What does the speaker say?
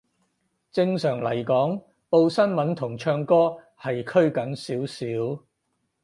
正常嚟講，報新聞同唱歌係拘謹少少